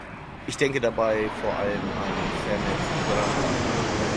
Ich denke dabei vor allem an Fernet Branca .